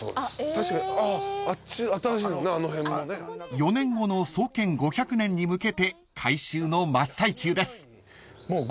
［４年後の創建５００年に向けて改修の真っ最中です］